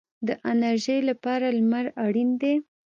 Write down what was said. د انرژۍ لپاره لمر اړین دی